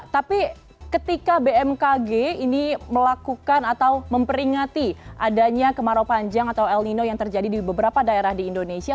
tapi ketika bmkg ini melakukan atau memperingati adanya kemarau panjang atau el nino yang terjadi di beberapa daerah di indonesia